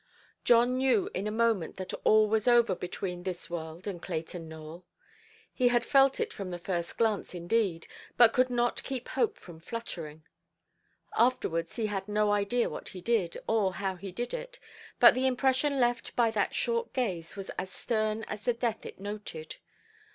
John knew in a moment that all was over between this world and Clayton Nowell. He had felt it from the first glance indeed, but could not keep hope from fluttering. Afterwards he had no idea what he did, or how he did it, but the impression left by that short gaze was as stern as the death it noted.